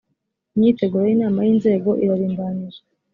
imyiteguro y’inama y’inzego irarimbanyije